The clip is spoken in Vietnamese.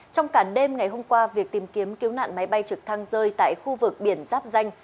trong cả đêm ngày hôm qua việc tìm kiếm cứu nạn máy bay trực thăng rơi tại khu vực biển giáp danh